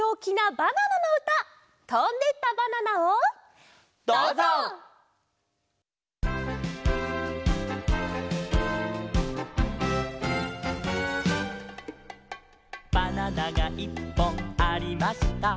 「バナナがいっぽんありました」